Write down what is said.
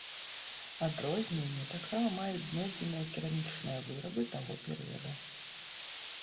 Адрозненні таксама маюць знойдзеныя керамічныя вырабы таго перыяда.